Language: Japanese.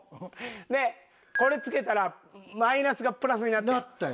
でこれつけたらマイナスがプラスになったやん。